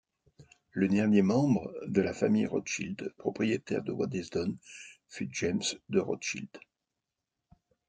Le dernier membre de la famille Rothschild propriétaire de Waddesdon fut James de Rothschild.